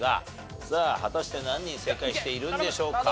さあ果たして何人正解しているんでしょうか。